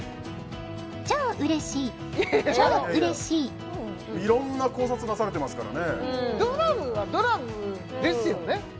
「超嬉しい超嬉しい」いやいや色んな考察なされてますからねドラムはドラムですよね？